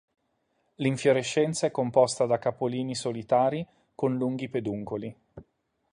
L'infiorescenza è composta da capolini solitari con lunghi peduncoli.